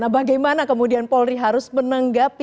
nah bagaimana kemudian polri harus menanggapi